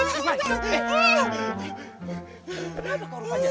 kenapa kau rupanya